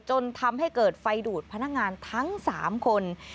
จนทำให้เกิดไฟดูดพนักงานทั้ง๓คน